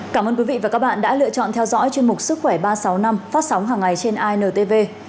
cảm ơn quý vị và các bạn đã lựa chọn theo dõi chuyên mục sức khỏe ba trăm sáu mươi năm phát sóng hàng ngày trên intv